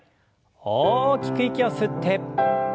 大きく息を吸って。